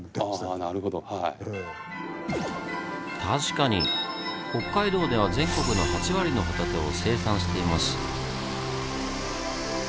確かに北海道では全国の８割のホタテを生産しています。